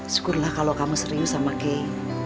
syukurlah kalau kamu serius sama kay